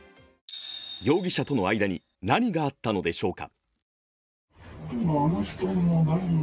容疑者との間に何があったのでしょうか。